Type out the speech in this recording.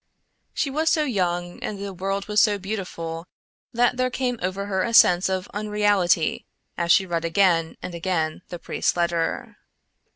She was so young and the world was so beautiful that there came over her a sense of unreality as she read again and again the priest's letter.